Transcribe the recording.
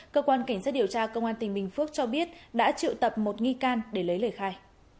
cơ quan cảnh sát điều tra công an tỉnh bình phước cho biết đã triệu tập một nghi can để lấy lời khai